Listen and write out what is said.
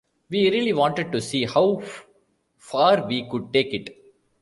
We really wanted to see how far we could take it.